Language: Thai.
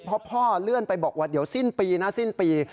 เพราะพ่อเลื่อนไปบอกว่าเดี๋ยวสิ้นปีนะสิ้นปี